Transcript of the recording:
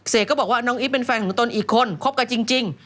ก็บอกว่าน้องอีฟเป็นแฟนของตนอีกคนคบกันจริง